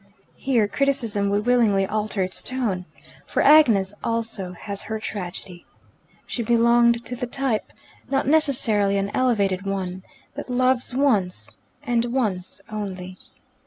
Here criticism would willingly alter its tone. For Agnes also has her tragedy. She belonged to the type not necessarily an elevated one that loves once and once only.